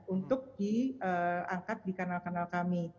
untuk diangkat di kanal kanal kami